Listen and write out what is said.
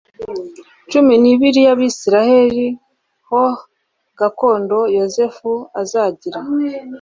cumi n ibiri ya Isirayeli ho gakondo Yosefu azagira